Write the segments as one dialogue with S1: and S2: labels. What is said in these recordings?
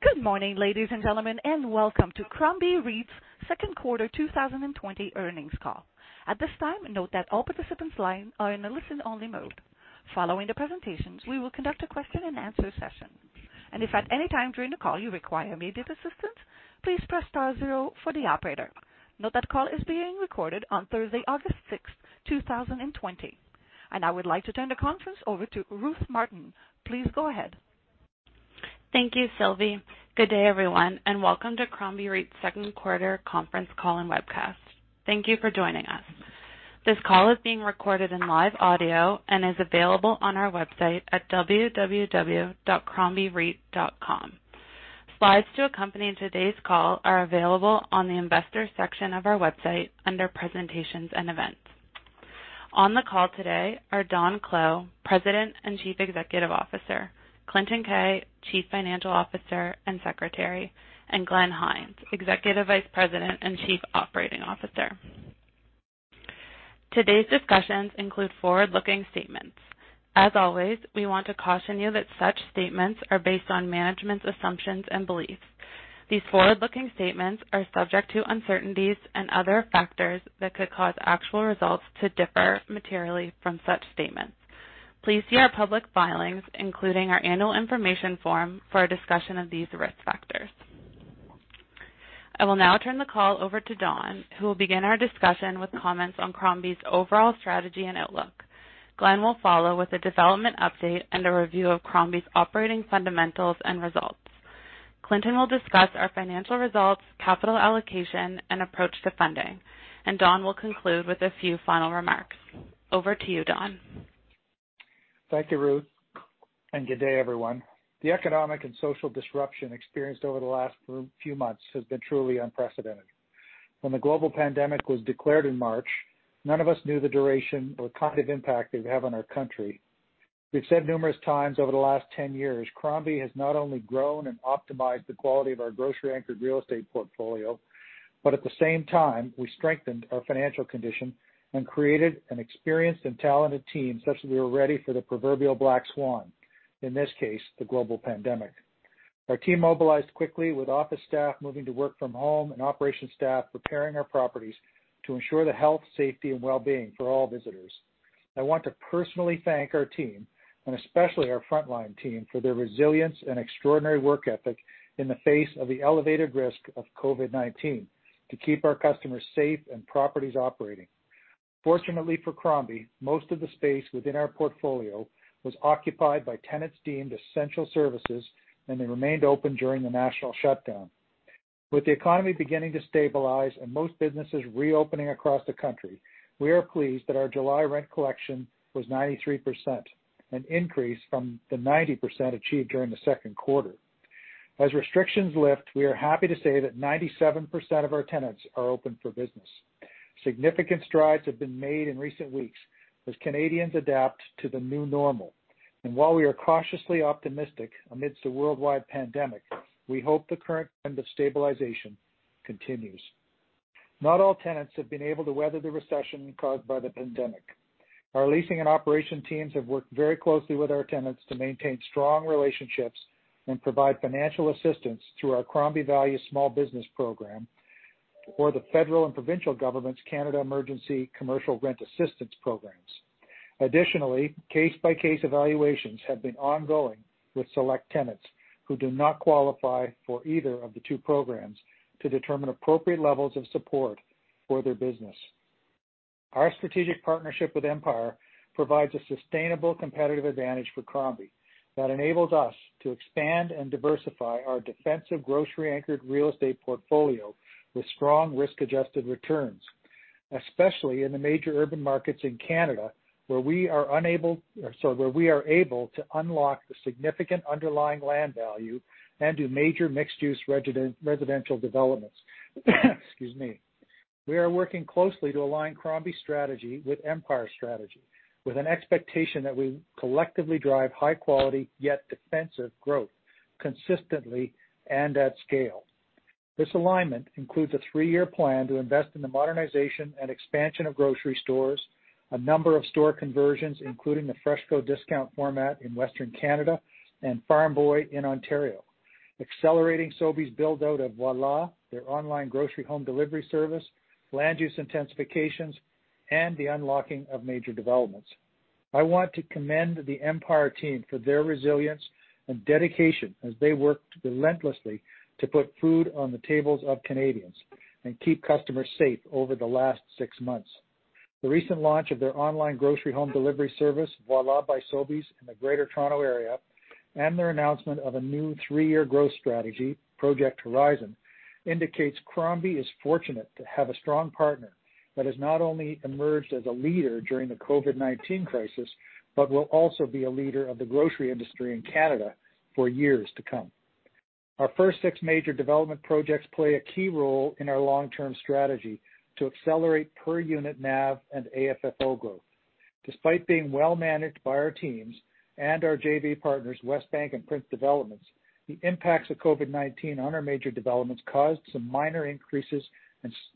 S1: Good morning, ladies and gentlemen and welcome to Crombie REIT's Q2 2020 Earnings Call. At this time, note that all participants’ lines are in a listen-only mode. Following the presentation, we will conduct a question-and-answer session. If at any time during the call you require immediate assistance, please press star, zero for the Operator. Note the call is being recorded on Thursday, August 6, 2020. I would like to turn the conference over to Ruth Martin. Please go ahead.
S2: Thank you, Sylvie. Good day, everyone, and welcome to Crombie REIT's Q2 Conference Call and Webcast. Thank you for joining us. This call is being recorded in live audio and is available on our website at www.crombiereit.com. Slides to accompany today's call are available on the Investors section of our website under Presentations and Events. On the call today are Don Clow, President and Chief Executive Officer, Clinton Keay, Chief Financial Officer and Secretary, and Glenn Hynes, Executive Vice President and Chief Operating Officer. Today's discussions include forward-looking statements. As always, we want to caution you that such statements are based on management's assumptions and beliefs. These forward-looking statements are subject to uncertainties and other factors that could cause actual results to differ materially from such statements. Please see our public filings, including our annual information form, for a discussion of these risk factors. I will now turn the call over to Don, who will begin our discussion with comments on Crombie's overall strategy and outlook. Glenn will follow with a development update and a review of Crombie's operating fundamentals and results. Clinton will discuss our financial results, capital allocation, and approach to funding, and Don will conclude with a few final remarks. Over to you, Don.
S3: Thank you, Ruth, and good day everyone. The economic and social disruption experienced over the last few months has been truly unprecedented. When the global pandemic was declared in March, none of us knew the duration or kind of impact it would have on our country. We've said numerous times over the last 10 years, Crombie has not only grown and optimized the quality of our grocery-anchored real estate portfolio, but at the same time, we strengthened our financial condition and created an experienced and talented team such that we were ready for the proverbial black swan, in this case, the global pandemic. Our team mobilized quickly with office staff moving to work from home and operations staff preparing our properties to ensure the health, safety, and well-being for all visitors. I want to personally thank our team, and especially our frontline team, for their resilience and extraordinary work ethic in the face of the elevated risk of COVID-19 to keep our customers safe and properties operating. Fortunately for Crombie, most of the space within our portfolio was occupied by tenants deemed essential services, and they remained open during the national shutdown. With the economy beginning to stabilize and most businesses reopening across the country, we are pleased that our July rent collection was 93%, an increase from the 90% achieved during the Q2. As restrictions lift, we are happy to say that 97% of our tenants are open for business. Significant strides have been made in recent weeks, as Canadians adapt to the new normal. While we are cautiously optimistic amidst the worldwide pandemic, we hope the current trend of stabilization continues. Not all tenants have been able to weather the recession caused by the pandemic. Our leasing and operation teams have worked very closely with our tenants to maintain strong relationships and provide financial assistance through our Crombie Values small business program or the federal and provincial governments Canada Emergency Commercial Rent Assistance programs. Additionally, case-by-case evaluations have been ongoing with select tenants who do not qualify for either of the two programs to determine appropriate levels of support for their business. Our strategic partnership with Empire provides a sustainable competitive advantage for Crombie that enables us to expand and diversify our defensive grocery-anchored real estate portfolio with strong risk-adjusted returns, especially in the major urban markets in Canada, where we are able to unlock the significant underlying land value and do major mixed-use residential developments. Excuse me. We are working closely to align Crombie's strategy with Empire's strategy, with an expectation that we collectively drive high quality yet defensive growth consistently and at scale. This alignment includes a three-year plan to invest in the modernization and expansion of grocery stores, a number of store conversions, including the FreshCo Discount format in Western Canada and Farm Boy in Ontario, accelerating Sobeys' build-out of Voilà, their online grocery home delivery service, land use intensifications, and the unlocking of major developments. I want to commend the Empire team for their resilience and dedication as they worked relentlessly to put food on the tables of Canadians and keep customers safe over the last six months. The recent launch of their online grocery home delivery service, Voilà by Sobeys in the Greater Toronto Area, and their announcement of a new three-year growth strategy, Project Horizon, indicates Crombie is fortunate to have a strong partner that has not only emerged as a leader during the COVID-19 crisis, but will also be a leader of the grocery industry in Canada for years to come. Our first six major development projects play a key role in our long-term strategy to accelerate per unit NAV and AFFO growth. Despite being well managed by our teams and our JV partners, Westbank and Prince Developments, the impacts of COVID-19 on our major developments caused some minor increases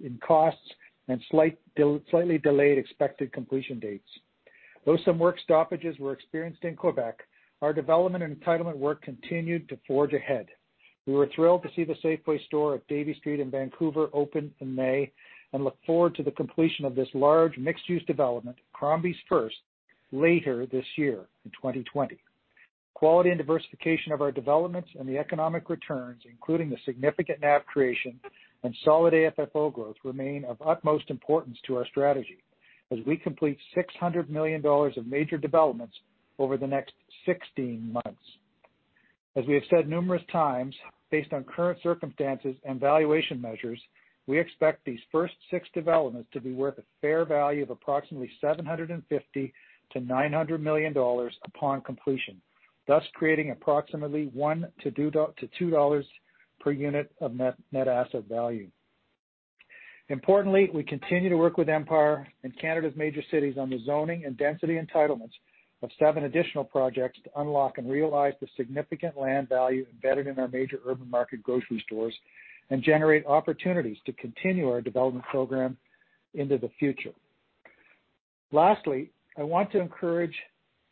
S3: in costs and slightly delayed expected completion dates. Though some work stoppages were experienced in Quebec, our development and entitlement work continued to forge ahead. We were thrilled to see the Safeway store at Davie Street in Vancouver open in May, and look forward to the completion of this large mixed-use development, Crombie's first, later this year in 2020. Quality and diversification of our developments and the economic returns, including the significant NAV creation and solid AFFO growth, remain of utmost importance to our strategy as we complete 600 million dollars of major developments over the next 16 months. As we have said numerous times, based on current circumstances and valuation measures, we expect these first six developments to be worth a fair value of approximately 750 million-900 million dollars upon completion, thus creating approximately 1-2 dollars per unit of net asset value. Importantly, we continue to work with Empire and Canada's major cities on the zoning and density entitlements of seven additional projects to unlock and realize the significant land value embedded in our major urban market grocery stores and generate opportunities to continue our development program into the future. Lastly, I want to encourage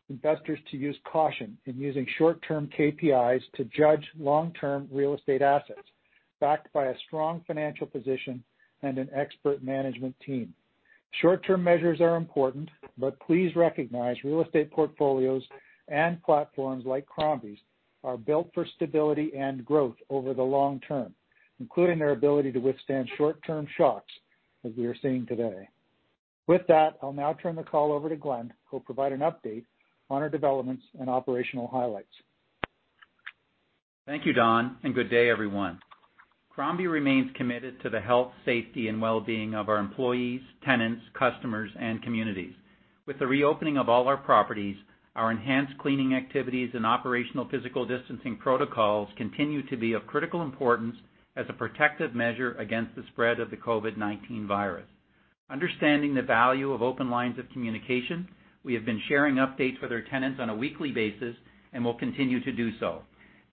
S3: investors to use caution in using short-term KPIs to judge long-term real estate assets backed by a strong financial position and an expert management team. Short-term measures are important, but please recognize real estate portfolios and platforms like Crombie's are built for stability and growth over the long term, including their ability to withstand short-term shocks as we are seeing today. With that, I'll now turn the call over to Glenn, who'll provide an update on our developments and operational highlights.
S4: Thank you, Don, and good day everyone. Crombie remains committed to the health, safety, and well-being of our employees, tenants, customers, and communities. With the reopening of all our properties, our enhanced cleaning activities and operational physical distancing protocols continue to be of critical importance as a protective measure against the spread of the COVID-19 virus. Understanding the value of open lines of communication, we have been sharing updates with our tenants on a weekly basis and will continue to do so.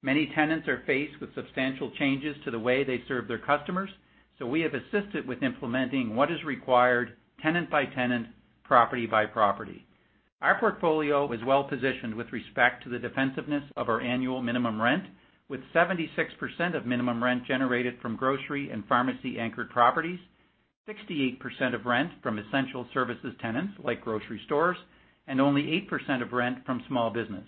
S4: Many tenants are faced with substantial changes to the way they serve their customers, so we have assisted with implementing what is required tenant by tenant, property by property. Our portfolio is well-positioned with respect to the defensiveness of our annual minimum rent, with 76% of minimum rent generated from grocery and pharmacy-anchored properties, 68% of rent from essential services tenants like grocery stores, and only 8% of rent from small business.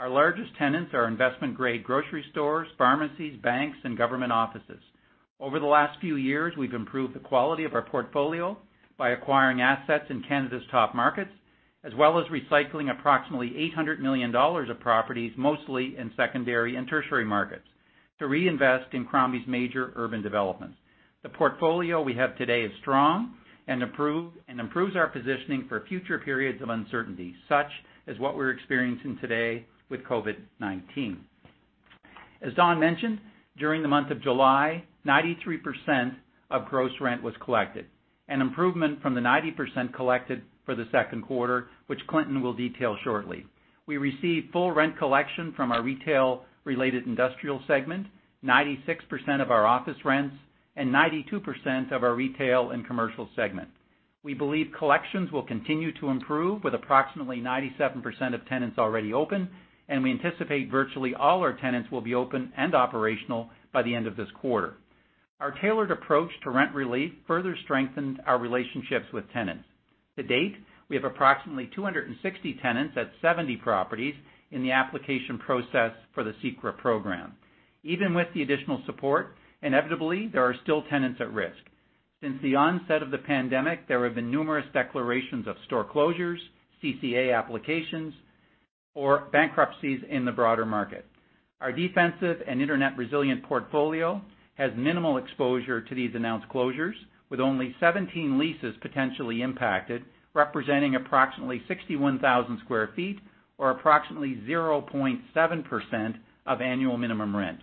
S4: Our largest tenants are investment-grade grocery stores, pharmacies, banks, and government offices. Over the last few years, we've improved the quality of our portfolio by acquiring assets in Canada's top markets, as well as recycling approximately 800 million dollars of properties, mostly in secondary and tertiary markets, to reinvest in Crombie's major urban developments. The portfolio we have today is strong and improves our positioning for future periods of uncertainty, such as what we're experiencing today with COVID-19. As Don mentioned, during the month of July, 93% of gross rent was collected, an improvement from the 90% collected for the Q2, which Clinton will detail shortly. We received full rent collection from our retail-related industrial segment, 96% of our office rents, and 92% of our retail and commercial segment. We believe collections will continue to improve with approximately 97% of tenants already open, and we anticipate virtually all our tenants will be open and operational by the end of this quarter. Our tailored approach to rent relief further strengthened our relationships with tenants. To date, we have approximately 260 tenants at 70 properties in the application process for the CECRA program. Even with the additional support, inevitably, there are still tenants at risk. Since the onset of the pandemic, there have been numerous declarations of store closures, CCA applications, or bankruptcies in the broader market. Our defensive and internet resilient portfolio has minimal exposure to these announced closures, with only 17 leases potentially impacted, representing approximately 61,000 sq ft or approximately 0.7% of annual minimum rent.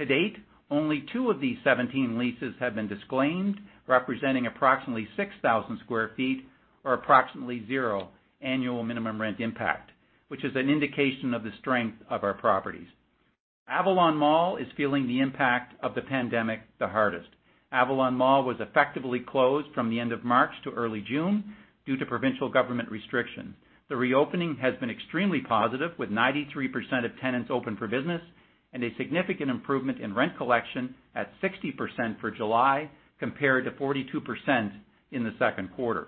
S4: To date, only two of these 17 leases have been disclaimed, representing approximately 6,000 sq ft or approximately zero annual minimum rent impact, which is an indication of the strength of our properties. Avalon Mall is feeling the impact of the pandemic the hardest. Avalon Mall was effectively closed from the end of March to early June due to provincial government restrictions. The reopening has been extremely positive, with 93% of tenants open for business and a significant improvement in rent collection at 60% for July, compared to 42% in the Q2.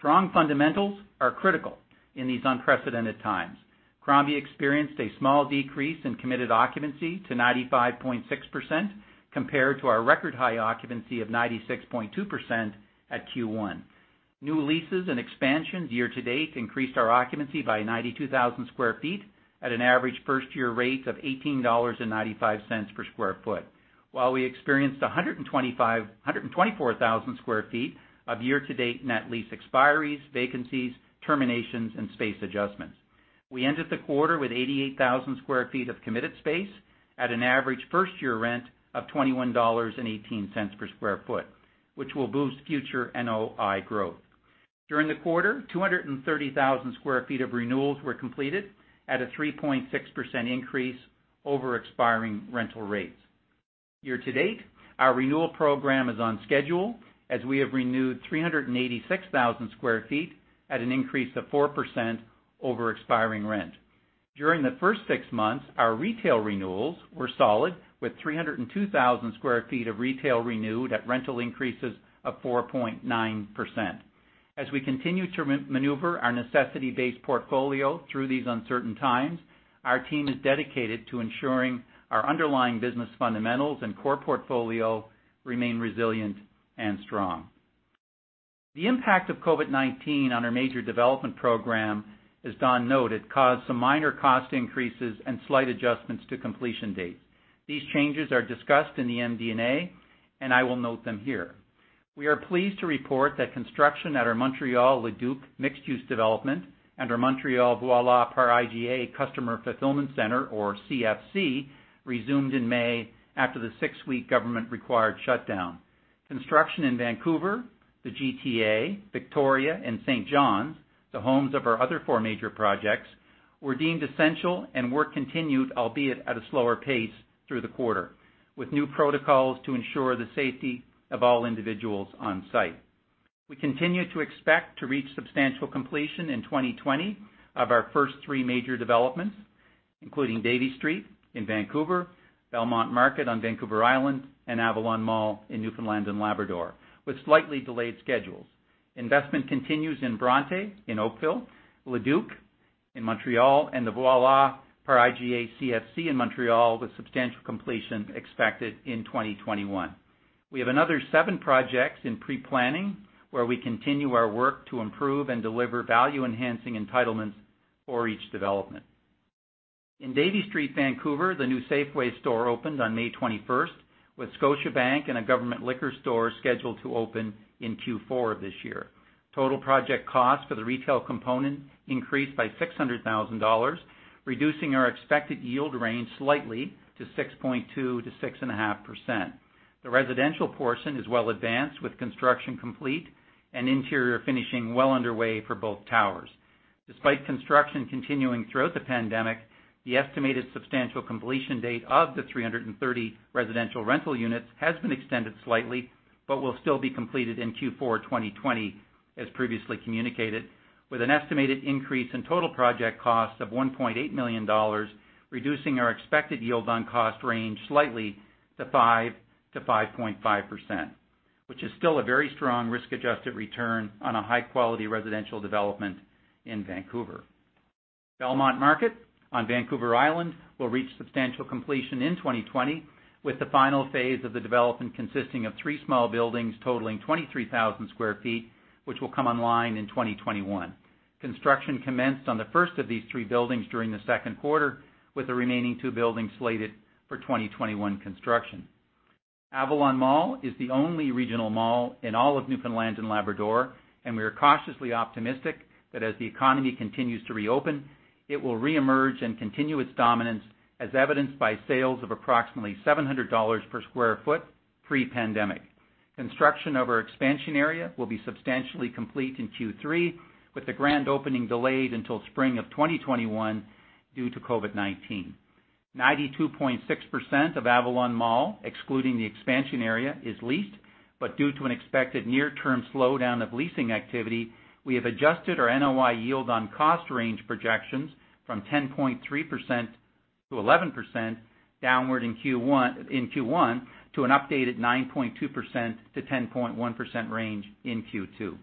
S4: Strong fundamentals are critical in these unprecedented times. Crombie experienced a small decrease in committed occupancy to 95.6%, compared to our record high occupancy of 96.2% at Q1. New leases and expansions year-to-date increased our occupancy by 92,000 sq ft at an average first-year rate of 18.95 dollars per sq ft. While we experienced 124,000 sq ft of year-to-date net lease expiries, vacancies, terminations, and space adjustments. We ended the quarter with 88,000 sq ft of committed space at an average first-year rent of 21.18 dollars per square foot, which will boost future NOI growth. During the quarter, 230,000 sq ft of renewals were completed at a 3.6% increase over expiring rental rates. Year-to-date, our renewal program is on schedule as we have renewed 386,000 sq ft at an increase of 4% over expiring rent. During the first six months, our retail renewals were solid, with 302,000 sq ft of retail renewed at rental increases of 4.9%. As we continue to maneuver our necessity-based portfolio through these uncertain times, our team is dedicated to ensuring our underlying business fundamentals and core portfolio remain resilient and strong. The impact of COVID-19 on our major development program, as Don noted, caused some minor cost increases and slight adjustments to completion dates. These changes are discussed in the MD&A, and I will note them here. We are pleased to report that construction at our Montreal Le Duke mixed-use development and our Montreal Voilà par IGA customer fulfillment center, or CFC, resumed in May after the six-week government-required shutdown. Construction in Vancouver, the GTA, Victoria, and St. John's, the homes of our other four major projects, were deemed essential, and work continued, albeit at a slower pace, through the quarter, with new protocols to ensure the safety of all individuals on site. We continue to expect to reach substantial completion in 2020 of our first three major developments, including Davie Street in Vancouver, Belmont Market on Vancouver Island, and Avalon Mall in Newfoundland and Labrador with slightly delayed schedules. Investment continues in Bronte in Oakville, Le Duke in Montreal, and the Voilà par IGA CFC in Montreal, with substantial completion expected in 2021. We have another seven projects in pre-planning where we continue our work to improve and deliver value-enhancing entitlements for each development. In Davie Street, Vancouver, the new Safeway store opened on May 21st, with Scotiabank and a government liquor store scheduled to open in Q4 of this year. Total project cost for the retail component increased by 600,000 dollars, reducing our expected yield range slightly to 6.2%-6.5%. The residential portion is well advanced, with construction complete and interior finishing well underway for both towers. Despite construction continuing throughout the pandemic, the estimated substantial completion date of the 330 residential rental units has been extended slightly but will still be completed in Q4 2020, as previously communicated, with an estimated increase in total project cost of 1.8 million dollars, reducing our expected yield on cost range slightly to 5%-5.5%, which is still a very strong risk-adjusted return on a high-quality residential development in Vancouver. Belmont Market on Vancouver Island will reach substantial completion in 2020, with the final phase of the development consisting of three small buildings totaling 23,000 sq ft, which will come online in 2021. Construction commenced on the first of these three buildings during the Q2, with the remaining two buildings slated for 2021 construction. Avalon Mall is the only regional mall in all of Newfoundland and Labrador. We are cautiously optimistic that as the economy continues to reopen, it will reemerge and continue its dominance, as evidenced by sales of approximately 700 dollars per sq ft pre-pandemic. Construction of our expansion area will be substantially complete in Q3, with the grand opening delayed until spring of 2021 due to COVID-19. 92.6% of Avalon Mall, excluding the expansion area, is leased. Due to an expected near-term slowdown of leasing activity, we have adjusted our NOI yield on cost range projections from 10.3%-11% downward in Q1 to an updated 9.2%-10.1% range in Q2.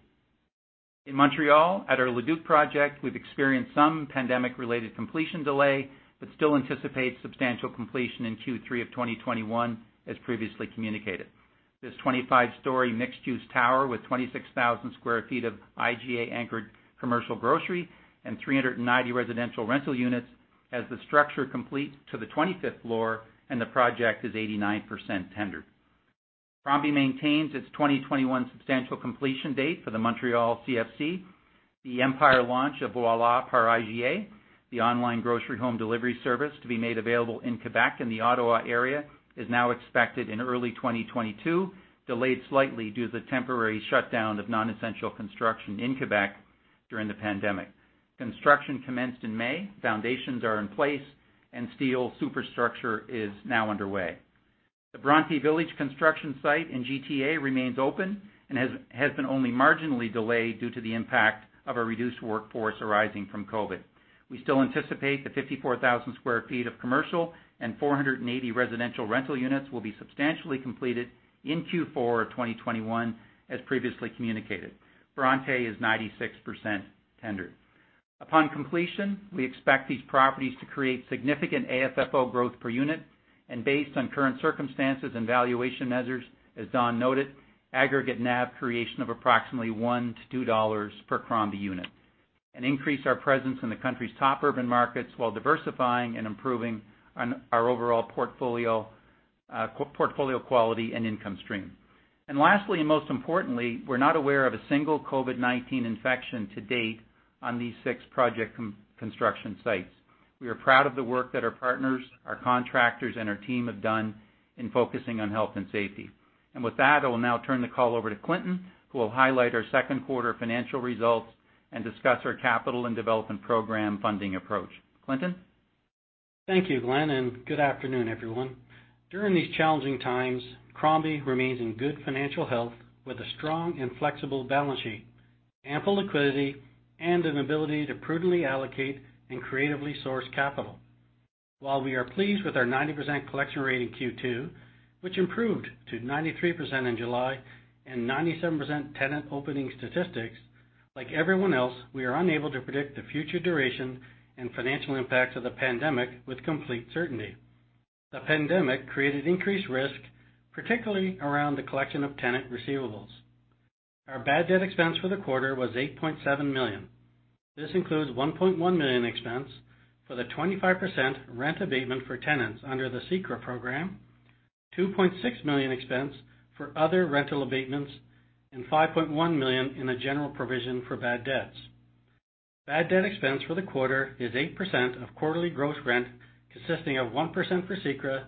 S4: In Montreal at our Le Duke project, we've experienced some pandemic-related completion delay but still anticipate substantial completion in Q3 of 2021 as previously communicated. This 25-story mixed-use tower with 26,000 sq ft of IGA-anchored commercial grocery and 390 residential rental units has the structure complete to the 25th floor, and the project is 89% tendered. Crombie maintains its 2021 substantial completion date for the Montreal CFC. The Empire launch of Voilà par IGA, the online grocery home delivery service to be made available in Quebec and the Ottawa area, is now expected in early 2022, delayed slightly due to the temporary shutdown of non-essential construction in Quebec during the pandemic. Construction commenced in May, foundations are in place, and steel superstructure is now underway. The Bronte Village construction site in GTA remains open and has been only marginally delayed due to the impact of a reduced workforce arising from COVID. We still anticipate the 54,000 sq ft of commercial and 480 residential rental units will be substantially completed in Q4 of 2021, as previously communicated. Bronte is 96% tendered. Upon completion, we expect these properties to create significant AFFO growth per unit. Based on current circumstances and valuation measures, as Don noted, aggregate NAV creation of approximately 1-2 dollars per Crombie unit and increase our presence in the country's top urban markets while diversifying and improving our overall portfolio quality and income stream. Lastly, and most importantly, we're not aware of a single COVID-19 infection to date on these six project construction sites. We are proud of the work that our partners, our contractors, and our team have done in focusing on health and safety. With that, I will now turn the call over to Clinton, who will highlight our Q2 financial results and discuss our capital and development program funding approach. Clinton?
S5: Thank you, Glenn, and good afternoon, everyone. During these challenging times, Crombie remains in good financial health with a strong and flexible balance sheet, ample liquidity, and an ability to prudently allocate and creatively source capital. While we are pleased with our 90% collection rate in Q2, which improved to 93% in July and 97% tenant opening statistics, like everyone else, we are unable to predict the future duration and financial impacts of the pandemic with complete certainty. The pandemic created increased risk, particularly around the collection of tenant receivables. Our bad debt expense for the quarter was 8.7 million. This includes 1.1 million expense for the 25% rent abatement for tenants under the CECRA program, 2.6 million expense for other rental abatements, and 5.1 million in a general provision for bad debts. Bad debt expense for the quarter is 8% of quarterly gross rent, consisting of 1% for CECRA,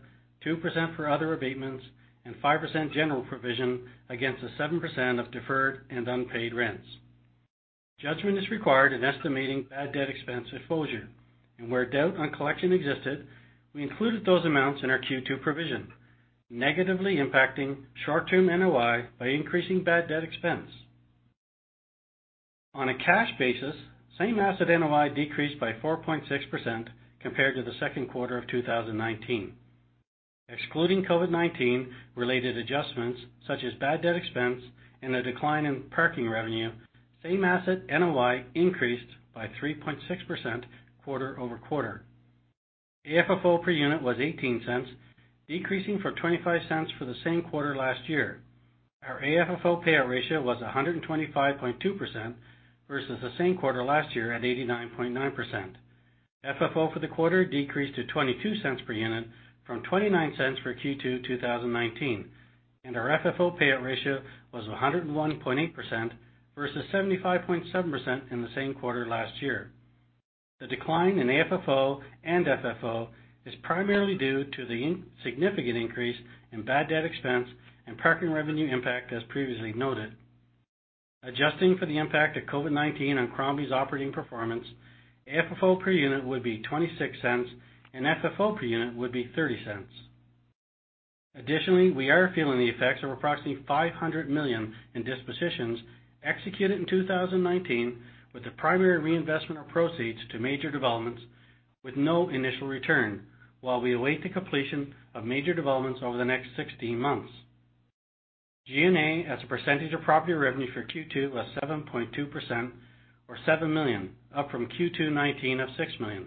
S5: 2% for other abatements, and 5% general provision against the 7% of deferred and unpaid rents. Judgment is required in estimating bad debt expense at closure. Where doubt on collection existed, we included those amounts in our Q2 provision, negatively impacting short-term NOI by increasing bad debt expense. On a cash basis, same asset NOI decreased by 4.6% compared to the Q2 of 2019. Excluding COVID-19 related adjustments such as bad debt expense and a decline in parking revenue, same asset NOI increased by 3.6% quarter-over-quarter. AFFO per unit was 0.18, decreasing from 0.25 for the same quarter last year. Our AFFO payout ratio was 125.2% versus the same quarter last year at 89.9%. FFO for the quarter decreased to 0.22 per unit from 0.29 for Q2 2019, and our FFO payout ratio was 101.8% versus 75.7% in the same quarter last year. The decline in AFFO and FFO is primarily due to the significant increase in bad debt expense and parking revenue impact as previously noted. Adjusting for the impact of COVID-19 on Crombie's operating performance, AFFO per unit would be 0.26 and FFO per unit would be 0.30. Additionally, we are feeling the effects of approximately 500 million in dispositions executed in 2019 with the primary reinvestment of proceeds to major developments with no initial return while we await the completion of major developments over the next 16 months. G&A as a percentage of property revenue for Q2 was 7.2% or 7 million, up from Q2 2019 of 6 million.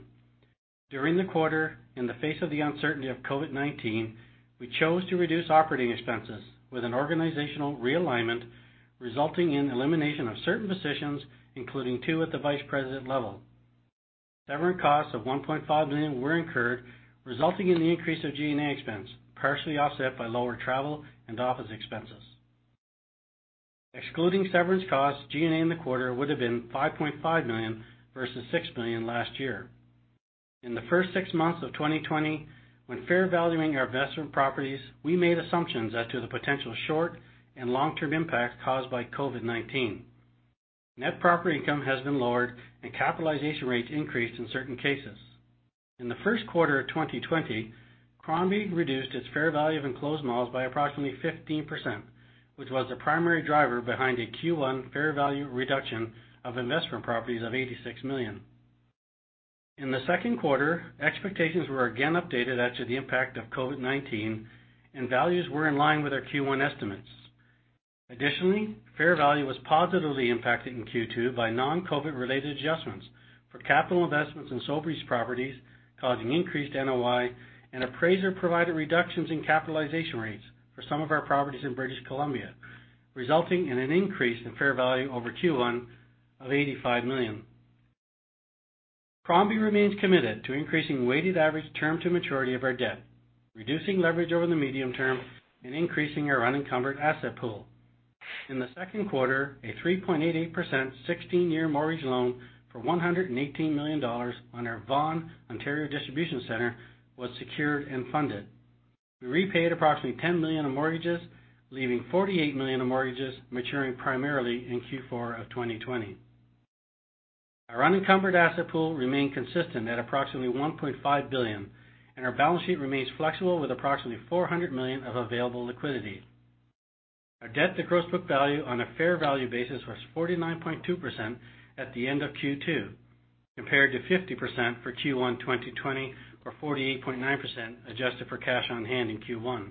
S5: During the quarter, in the face of the uncertainty of COVID-19, we chose to reduce operating expenses with an organizational realignment, resulting in elimination of certain positions, including two at the vice president level. Severance costs of 1.5 million were incurred, resulting in the increase of G&A expense, partially offset by lower travel and office expenses. Excluding severance costs, G&A in the quarter would have been 5.5 million versus 6 million last year. In the first six months of 2020, when fair valuing our investment properties, we made assumptions as to the potential short and long-term impacts caused by COVID-19. Net property income has been lowered and capitalization rates increased in certain cases. In the Q1 of 2020, Crombie reduced its fair value of enclosed malls by approximately 15%, which was the primary driver behind a Q1 fair value reduction of investment properties of 86 million. In the Q2, expectations were again updated as to the impact of COVID-19, and values were in line with our Q1 estimates. Additionally, fair value was positively impacted in Q2 by non-COVID-related adjustments for capital investments in Sobeys properties, causing increased NOI and appraiser-provided reductions in capitalization rates for some of our properties in British Columbia, resulting in an increase in fair value over Q1 of 85 million. Crombie remains committed to increasing weighted average term to maturity of our debt, reducing leverage over the medium term, and increasing our unencumbered asset pool. In the Q2, a 3.88%, 16-year mortgage loan for 118 million dollars on our Vaughan, Ontario, distribution center was secured and funded. We repaid approximately 10 million of mortgages, leaving 48 million of mortgages maturing primarily in Q4 of 2020. Our unencumbered asset pool remained consistent at approximately 1.5 billion, and our balance sheet remains flexible with approximately 400 million of available liquidity. Our debt to gross book value on a fair value basis was 49.2% at the end of Q2, compared to 50% for Q1 2020 or 48.9% adjusted for cash on hand in Q1.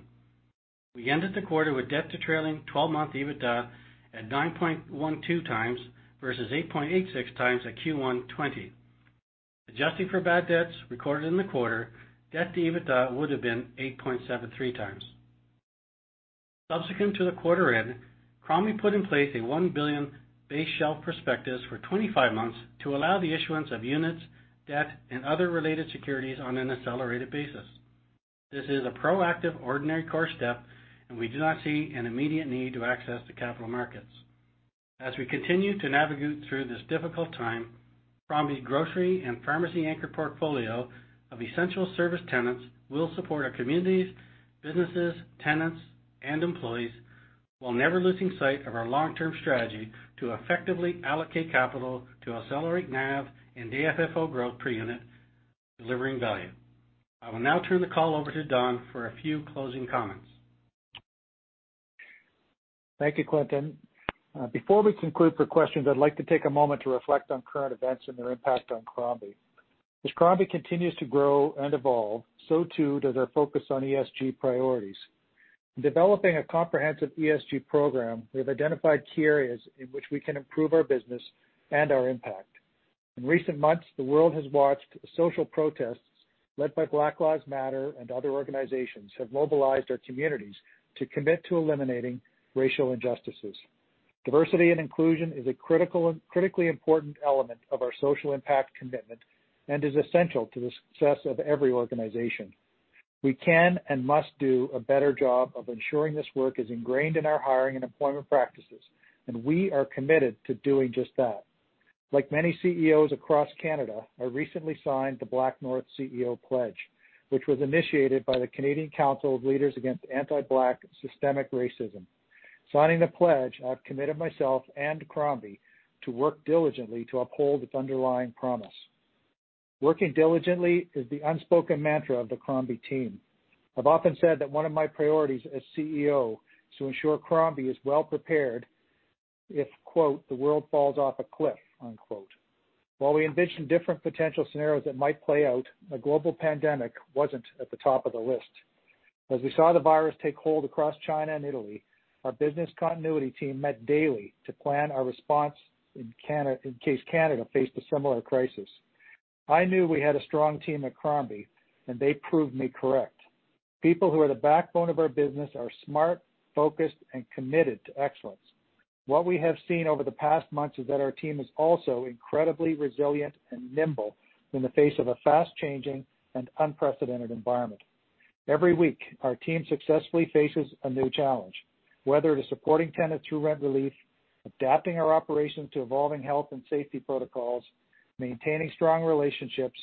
S5: We ended the quarter with debt to trailing 12-month EBITDA at 9.12x versus 8.86x at Q1 2020. Adjusting for bad debts recorded in the quarter, debt to EBITDA would have been 8.73x. Subsequent to the quarter end, Crombie put in place a 1 billion base shelf prospectus for 25 months to allow the issuance of units, debt, and other related securities on an accelerated basis. This is a proactive, ordinary course step, and we do not see an immediate need to access the capital markets. As we continue to navigate through this difficult time. Crombie grocery and pharmacy anchor portfolio of essential service tenants will support our communities, businesses, tenants, and employees, while never losing sight of our long-term strategy to effectively allocate capital to accelerate NAV and AFFO growth per unit, delivering value. I will now turn the call over to Don for a few closing comments.
S3: Thank you, Clinton. Before we conclude for questions, I'd like to take a moment to reflect on current events and their impact on Crombie. As Crombie continues to grow and evolve, so too does our focus on ESG priorities. In developing a comprehensive ESG program, we have identified key areas in which we can improve our business and our impact. In recent months, the world has watched as social protests led by Black Lives Matter and other organizations have mobilized our communities to commit to eliminating racial injustices. Diversity and inclusion is a critically important element of our social impact commitment and is essential to the success of every organization. We can and must do a better job of ensuring this work is ingrained in our hiring and employment practices, and we are committed to doing just that. Like many CEOs across Canada, I recently signed the BlackNorth CEO pledge, which was initiated by the Canadian Council of Business Leaders Against Anti-Black Systemic Racism. Signing the pledge, I've committed myself and Crombie to work diligently to uphold its underlying promise. Working diligently is the unspoken mantra of the Crombie team. I've often said that one of my priorities as CEO is to ensure Crombie is well-prepared if, quote, the world falls off a cliff. unquote. While we envision different potential scenarios that might play out, a global pandemic wasn't at the top of the list. As we saw the virus take hold across China and Italy, our business continuity team met daily to plan our response in case Canada faced a similar crisis. I knew we had a strong team at Crombie, and they proved me correct. People who are the backbone of our business are smart, focused, and committed to excellence. What we have seen over the past months is that our team is also incredibly resilient and nimble in the face of a fast-changing and unprecedented environment. Every week, our team successfully faces a new challenge, whether it is supporting tenants through rent relief, adapting our operations to evolving health and safety protocols, maintaining strong relationships,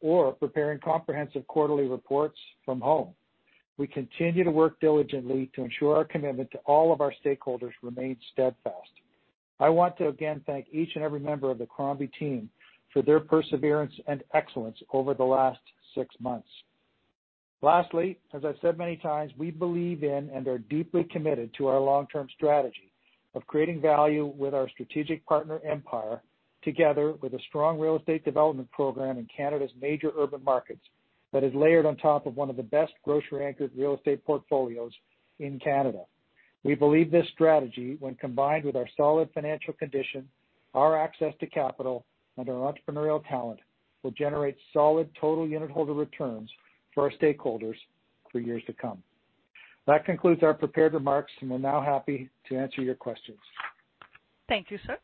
S3: or preparing comprehensive quarterly reports from home. We continue to work diligently to ensure our commitment to all of our stakeholders remains steadfast. I want to again thank each and every member of the Crombie team for their perseverance and excellence over the last six months. Lastly, as I've said many times, we believe in and are deeply committed to our long-term strategy of creating value with our strategic partner, Empire, together with a strong real estate development program in Canada's major urban markets that is layered on top of one of the best grocery-anchored real estate portfolios in Canada. We believe this strategy, when combined with our solid financial condition, our access to capital, and our entrepreneurial talent, will generate solid total unit holder returns for our stakeholders for years to come. That concludes our prepared remarks. We're now happy to answer your questions.
S1: Thank you, sir.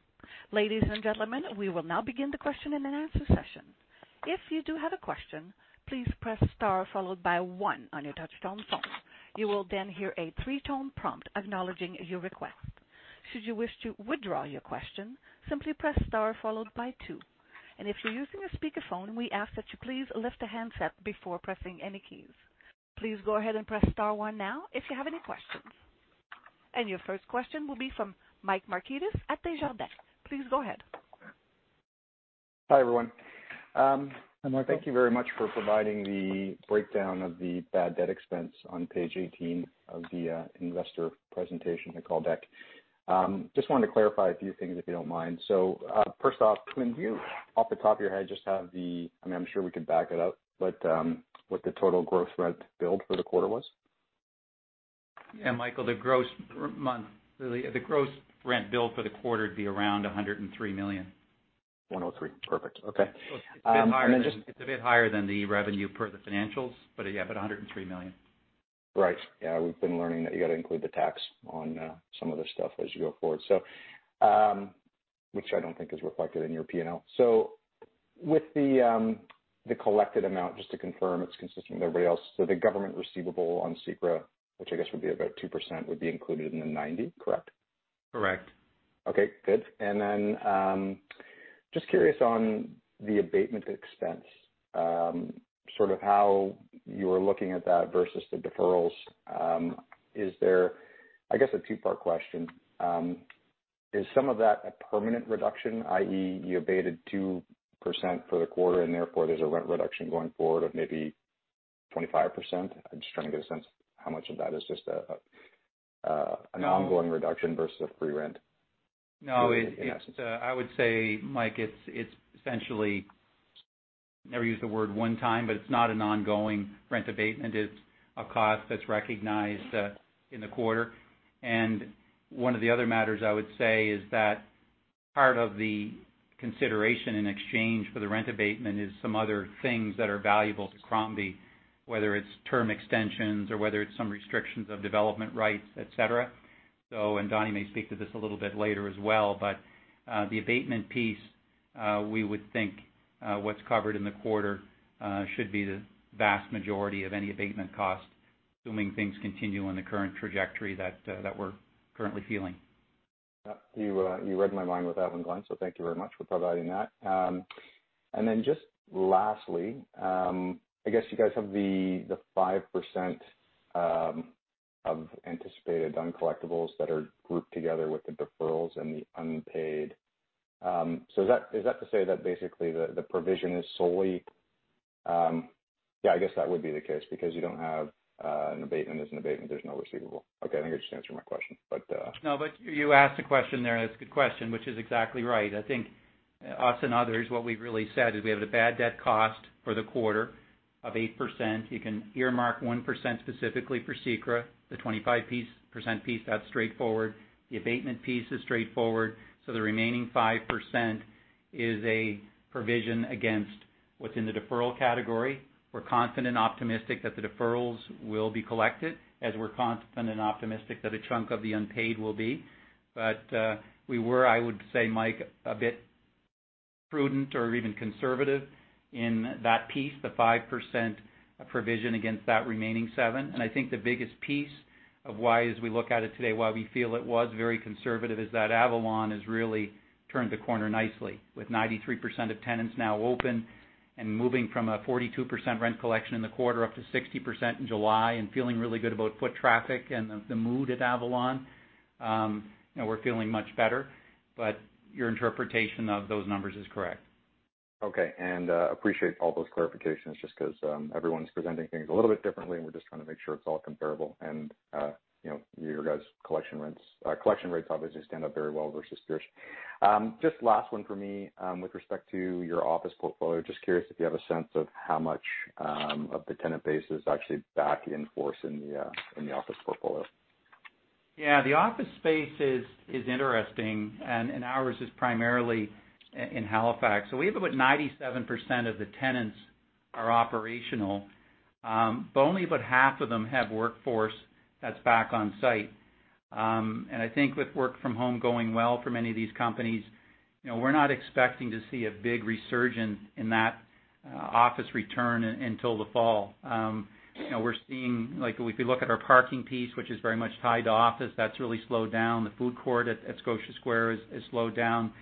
S1: Ladies and gentlemen, we will now begin the question and answer session. If you do you have a question, please press star, followed by one on your touchtone phone. You will then hear a three-tone prompt acknowledging your request. Should you wish to withdraw your question, simply press star, followed by two and if you’re using a speakerphone, we ask that you please lift the handset before pressing any keys. Please go ahead and press star, one now if you have any questions. Your first question will be from Mike Markidis at Desjardins. Please go ahead.
S6: Hi, everyone.
S3: Hi, Michael.
S6: Thank you very much for providing the breakdown of the bad debt expense on page 18 of the investor presentation, the call deck. Just wanted to clarify a few things, if you don't mind. First off, do you, off the top of your head, just have the I mean, I'm sure we could back it up, but what the total gross rent billed for the quarter was?
S4: Yeah, Michael. The gross rent billed for the quarter would be around 103 million.
S6: Perfect. Okay.
S4: It's a bit higher than the revenue per the financials, but yeah, about 103 million.
S6: Right. Yeah, we've been learning that you got to include the tax on some of this stuff as you go forward, which I don't think is reflected in your P&L. With the collected amount, just to confirm it's consistent with everybody else, the government receivable on CECRA, which I guess would be about 2%, would be included in the 90, correct?
S4: Correct.
S6: Okay, good. Just curious on the abatement expense, sort of how you're looking at that versus the deferrals. I guess a two-part question. Is some of that a permanent reduction, i.e., you abated 2% for the quarter and therefore there's a rent reduction going forward of maybe 25%? I'm just trying to get a sense how much of that is just an ongoing reduction versus a free rent.
S4: No. I would say, Mike, it's essentially, never use the word one time, but it's not an ongoing rent abatement. It's a cost that's recognized in the quarter. One of the other matters I would say is that part of the consideration in exchange for the rent abatement is some other things that are valuable to Crombie, whether it's term extensions or whether it's some restrictions of development rights, et cetera. Donnie may speak to this a little bit later as well, but the abatement piece, we would think, what's covered in the quarter should be the vast majority of any abatement cost, assuming things continue on the current trajectory that we're currently feeling.
S6: You read my mind with that one, Glenn, so thank you very much for providing that. Just lastly, I guess you guys have the 5% of anticipated uncollectibles that are grouped together with the deferrals and the unpaid. Is that to say that basically the provision is solely? Yeah, I guess that would be the case because you don't have an abatement. There's no abatement, there's no receivable. Okay, I think you just answered my question.
S4: You asked a question there and it's a good question, which is exactly right. I think us and others, what we've really said is we have the bad debt cost for the quarter of 8%. You can earmark 1% specifically for CECRA, the 25% piece, that's straightforward. The abatement piece is straightforward. The remaining 5% is a provision against what's in the deferral category. We're confident and optimistic that the deferrals will be collected, as we're confident and optimistic that a chunk of the unpaid will be. We were, I would say, Mike, a bit prudent or even conservative in that piece, the 5% provision against that remaining seven. I think the biggest piece of why, as we look at it today, why we feel it was very conservative, is that Avalon has really turned the corner nicely with 93% of tenants now open and moving from a 42% rent collection in the quarter up to 60% in July and feeling really good about foot traffic and the mood at Avalon. We're feeling much better. Your interpretation of those numbers is correct.
S6: Okay. Appreciate all those clarifications, just because everyone's presenting things a little bit differently, and we're just trying to make sure it's all comparable. Your guys' collection rates obviously stand up very well versus peers. Just last one for me. With respect to your office portfolio, just curious if you have a sense of how much of the tenant base is actually back in force in the office portfolio.
S4: Yeah, the office space is interesting, and ours is primarily in Halifax. We have about 97% of the tenants are operational. Only about half of them have workforce that's back on site. I think with work from home going well for many of these companies, we're not expecting to see a big resurgence in that office return until the fall. We're seeing, like if we look at our parking piece, which is very much tied to office, that's really slowed down. The food court at Scotia Square is slowed down.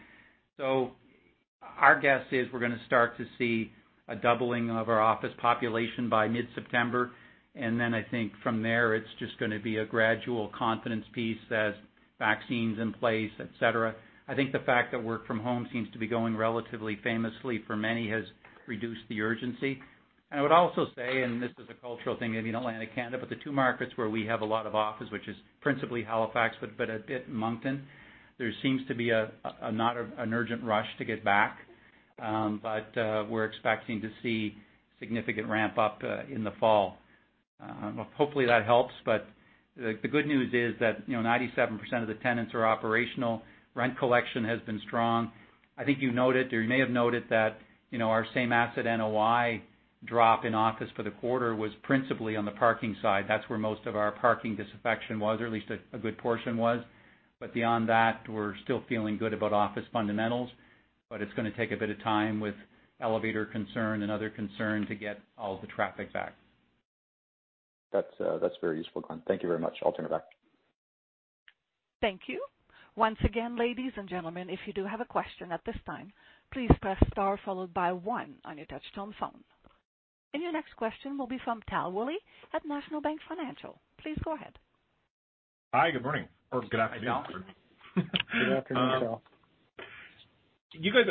S4: Our guess is we're going to start to see a doubling of our office population by mid-September. I think from there, it's just going to be a gradual confidence piece as vaccines in place, et cetera. I think the fact that work from home seems to be going relatively famously for many has reduced the urgency. I would also say, this is a cultural thing maybe in Atlantic Canada, the two markets where we have a lot of office, which is principally Halifax, but a bit in Moncton, there seems to be not an urgent rush to get back. We're expecting to see significant ramp-up in the fall. Hopefully, that helps. The good news is that 97% of the tenants are operational. Rent collection has been strong. I think you noted, or you may have noted that our same asset NOI drop in office for the quarter was principally on the parking side. That's where most of our parking disaffection was, or at least a good portion was. Beyond that, we're still feeling good about office fundamentals. It's going to take a bit of time with elevator concern and other concern to get all the traffic back.
S6: That's very useful, Glenn. Thank you very much. I'll turn it back.
S1: Thank you. Once again, ladies and gentlemen, if you do have a question at this time, please press star followed by one on your touch-tone phone. Your next question will be from Tal Woolley at National Bank Financial. Please go ahead.
S7: Hi, good morning or good afternoon.
S4: Good afternoon, Tal.
S7: You guys,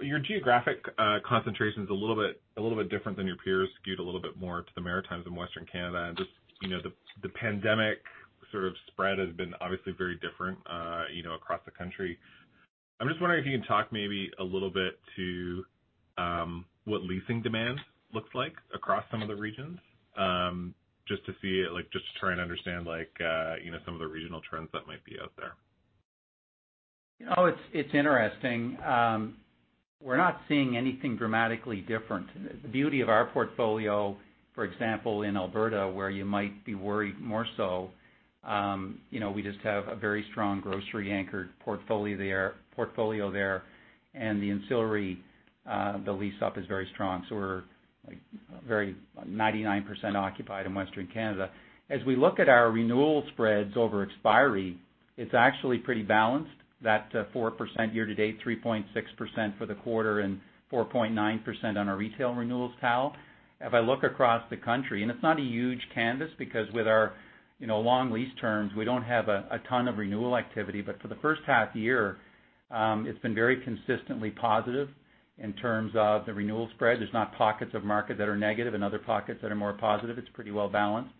S7: your geographic concentration is a little bit different than your peers, skewed a little bit more to the Maritimes and Western Canada. Just the pandemic sort of spread has been obviously very different across the country. I'm just wondering if you can talk maybe a little bit to what leasing demand looks like across some of the regions, just to try and understand some of the regional trends that might be out there.
S4: It's interesting. We're not seeing anything dramatically different. The beauty of our portfolio, for example, in Alberta, where you might be worried more so, we just have a very strong grocery anchored portfolio there. The ancillary, the lease up is very strong. We're 99% occupied in Western Canada. As we look at our renewal spreads over expiry, it's actually pretty balanced. That's 4% year-to-date, 3.6% for the quarter, and 4.9% on our retail renewals, Tal. If I look across the country, and it's not a huge canvas because with our long lease terms, we don't have a ton of renewal activity. For the first half year, it's been very consistently positive in terms of the renewal spread. There's not pockets of market that are negative and other pockets that are more positive. It's pretty well balanced.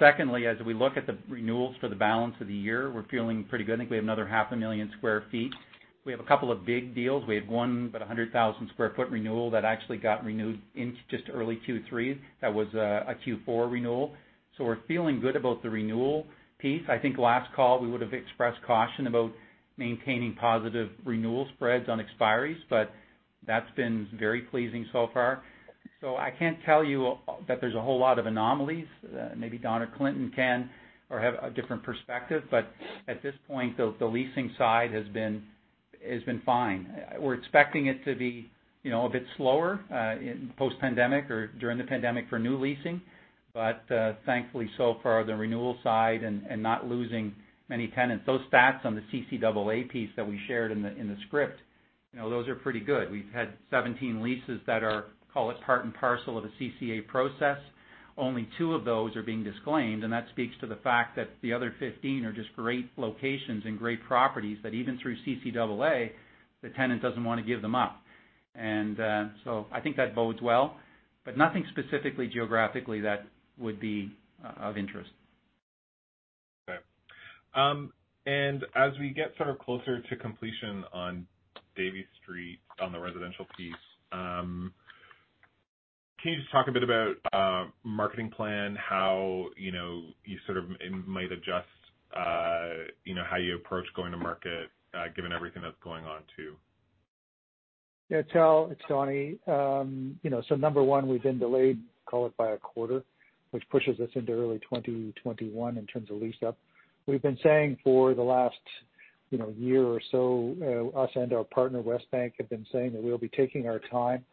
S4: Secondly, as we look at the renewals for the balance of the year, we're feeling pretty good. I think we have another 500,000 sq ft. We have a couple of big deals. We had one, about 100,000 sq ft renewal that actually got renewed in just early Q3. That was a Q4 renewal. We're feeling good about the renewal piece. I think last call, we would've expressed caution about maintaining positive renewal spreads on expiries, but that's been very pleasing so far. I can't tell you that there's a whole lot of anomalies. Maybe Don or Clinton can, or have a different perspective. At this point, the leasing side has been fine. We're expecting it to be a bit slower, post-pandemic or during the pandemic for new leasing. Thankfully so far, the renewal side and not losing many tenants. Those stats on the CCAA piece that we shared in the script, those are pretty good. We've had 17 leases that are, call it part and parcel of a CCA process. Only two of those are being disclaimed, that speaks to the fact that the other 15 are just great locations and great properties that even through CCAA, the tenant doesn't want to give them up. I think that bodes well, nothing specifically geographically that would be of interest.
S7: Okay. As we get sort of closer to completion on Davie Street on the residential piece, can you just talk a bit about marketing plan, how you sort of might adjust how you approach going to market, given everything that's going on, too?
S3: Yeah, Tal, it's Donnie. Number one, we've been delayed, call it by a quarter, which pushes us into early 2021 in terms of lease up. We've been saying for the last year or so, us and our partner, Westbank, have been saying that we'll be taking our time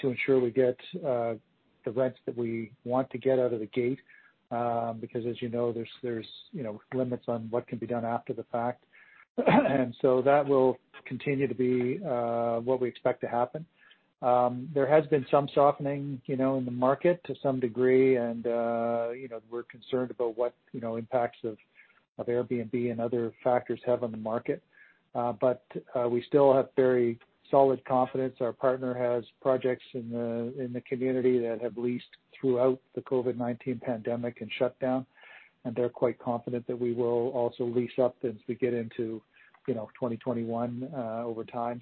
S3: to ensure we get the rents that we want to get out of the gate, because as you know, there's limits on what can be done after the fact. That will continue to be what we expect to happen. There has been some softening in the market to some degree, and we're concerned about what impacts of Airbnb and other factors have on the market. We still have very solid confidence. Our partner has projects in the community that have leased throughout the COVID-19 pandemic and shutdown, and they're quite confident that we will also lease up as we get into 2021 over time.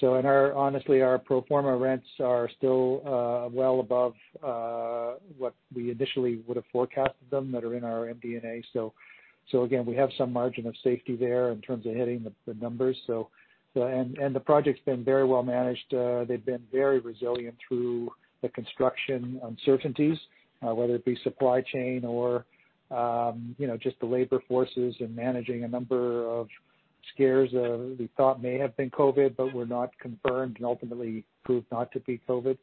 S3: And honestly, our pro forma rents are still well above what we initially would've forecasted them that are in our MD&A. Again, we have some margin of safety there in terms of hitting the numbers. The project's been very well managed. They've been very resilient through the construction uncertainties, whether it be supply chain or just the labor forces and managing a number of scares that we thought may have been COVID but were not confirmed and ultimately proved not to be COVID.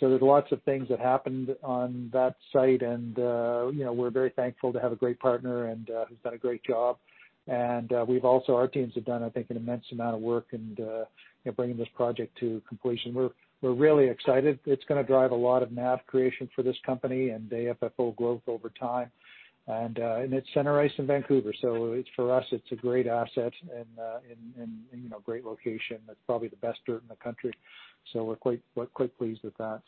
S3: There's lots of things that happened on that site, and we're very thankful to have a great partner who's done a great job. Our teams have done, I think, an immense amount of work in bringing this project to completion. We're really excited. It's going to drive a lot of NAV creation for this company and AFFO growth over time. It's center ice in Vancouver, so for us, it's a great asset and great location that's probably the best dirt in the country. We're quite pleased with that.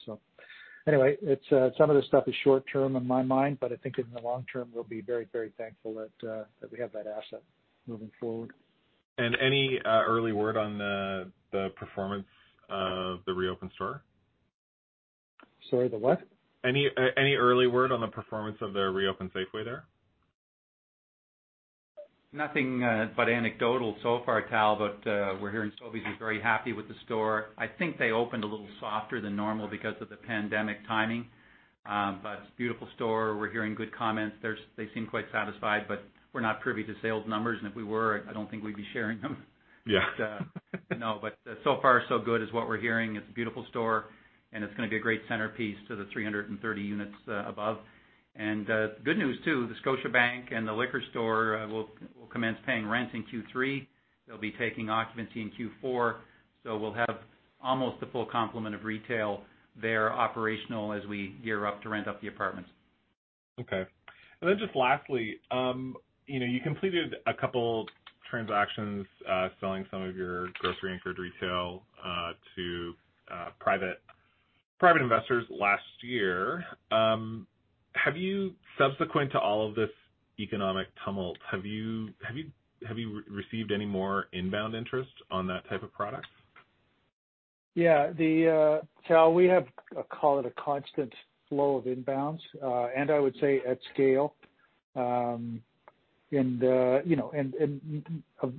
S3: Anyway, some of this stuff is short term in my mind, but I think in the long term, we'll be very thankful that we have that asset moving forward.
S7: Any early word on the performance of the reopened store?
S3: Sorry, the what?
S7: Any early word on the performance of the reopened Safeway there?
S4: Nothing but anecdotal so far, Tal, we're hearing Sobeys is very happy with the store. I think they opened a little softer than normal because of the pandemic timing. It's a beautiful store. We're hearing good comments. They seem quite satisfied. We're not privy to sales numbers, and if we were, I don't think we'd be sharing them.
S7: Yeah.
S4: So far so good is what we're hearing. It's a beautiful store, and it's going to be a great centerpiece to the 330 units above. Good news too, the Scotiabank and the liquor store will commence paying rent in Q3. They'll be taking occupancy in Q4. We'll have almost a full complement of retail there operational as we gear up to rent up the apartments.
S7: Okay. Just lastly, you completed a couple transactions selling some of your grocery-anchored retail to private investors last year. Have you, subsequent to all of this economic tumult, have you received any more inbound interest on that type of product?
S3: Yeah. Tal, we have, call it a constant flow of inbounds, and I would say at scale. In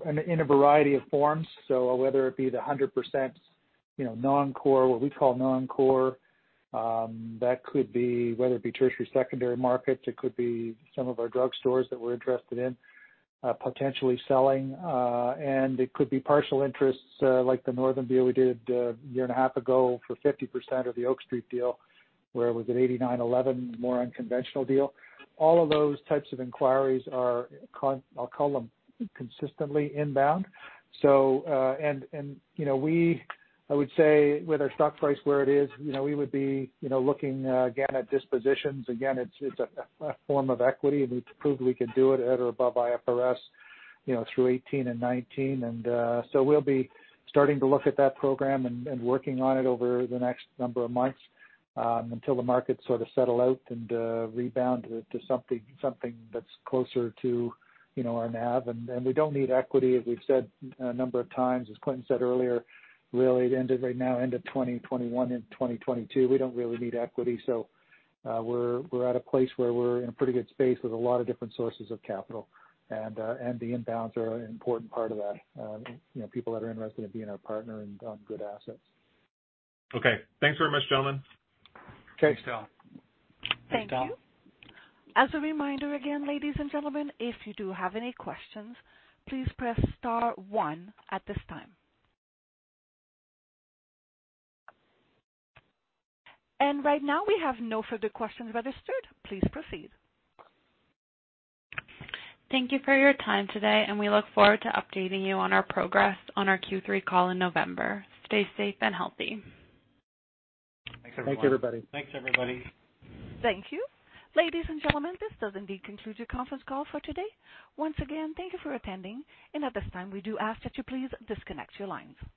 S3: a variety of forms. Whether it be the 100% non-core, what we call non-core. That could be whether it be tertiary, secondary markets, it could be some of our drugstores that we're interested in potentially selling. It could be partial interests like the Northern deal we did a year and a half ago for 50% of the Oak Street deal, where it was an 89/11 more unconventional deal. All of those types of inquiries are, I'll call them consistently inbound. We, I would say with our stock price where it is, we would be looking again at dispositions. Again, it's a form of equity, and we've proved we can do it at or above IFRS through 2018 and 2019. We'll be starting to look at that program and working on it over the next number of months until the markets sort of settle out and rebound to something that's closer to our NAV. We don't need equity, as we've said a number of times, as Clinton said earlier, really into right now end of 2021 and 2022. We don't really need equity. We're at a place where we're in a pretty good space with a lot of different sources of capital. The inbounds are an important part of that. People that are interested in being our partner on good assets.
S7: Okay, thanks very much, gentlemen.
S3: Thanks, Tal.
S4: Thanks, Tal.
S1: Thank you. As a reminder again, ladies and gentlemen, if you do have any questions, please press star one at this time. Right now, we have no further questions registered. Please proceed.
S2: Thank you for your time today, and we look forward to updating you on our progress on our Q3 call in November. Stay safe and healthy.
S4: Thanks, everyone.
S3: Thanks, everybody.
S1: Thank you. Ladies and gentlemen, this does indeed conclude your conference call for today. Once again, thank you for attending, and at this time, we do ask that you please disconnect your lines.